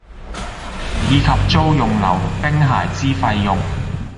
以及租用溜冰鞋之費用